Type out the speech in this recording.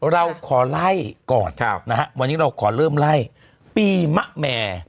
เราขอไล่ก่อนนะฮะวันนี้เราขอเริ่มไล่ปีมะแม่